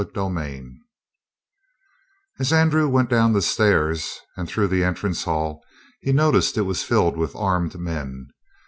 CHAPTER 18 As Andrew went down the stairs and through the entrance hall he noticed it was filled with armed men.